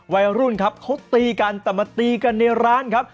วัยรุ่นครับเขาตีกันแต่มาตีกันในร้านครับ